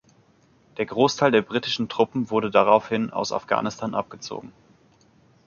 Der Großteil der britischen Truppen wurde daraufhin aus Afghanistan abgezogen.